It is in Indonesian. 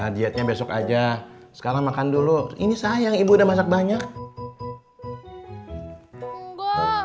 sampai jumpa di video selanjutnya